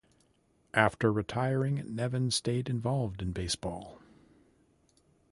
After retiring, Nevin stayed involved in baseball.